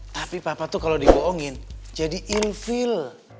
tapi papa tuh kalau diboongin jadi ilfil